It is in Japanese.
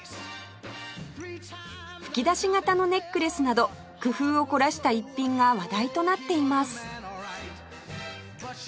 吹き出し型のネックレスなど工夫を凝らした逸品が話題となっています